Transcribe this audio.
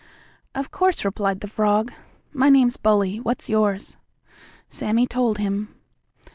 "Of course," replied the frog. "My name's Bully; what's yours?" Sammie told him.